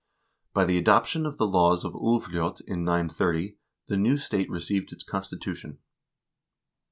By the adoption of the laws of Ulvljot in 930 the new state received its constitution.